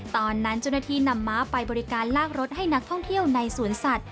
ตอนนั้นเจ้าหน้าที่นำม้าไปบริการลากรถให้นักท่องเที่ยวในสวนสัตว